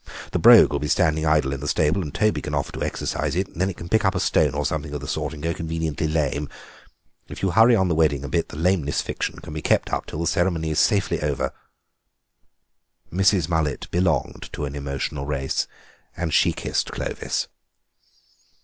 The Brogue will be standing idle in the stable and Toby can offer to exercise it; then it can pick up a stone or something of the sort and go conveniently lame. If you hurry on the wedding a bit the lameness fiction can be kept up till the ceremony is safely over." Mrs. Mullet belonged to an emotional race, and she kissed Clovis.